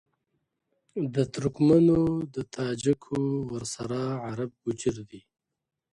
د ترکمــــنــــــو، د تاجـــــــــکــــو، ورســـــره عــــرب گـــوجـــر دي